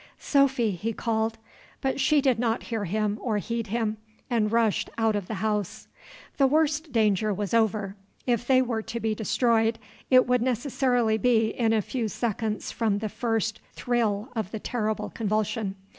"Sophy!" he called; but she did not hear him or heed him, and rushed out of the house. The worst danger was over. If they were to be destroyed, it would necessarily be in a few seconds from the first thrill of the terrible convulsion.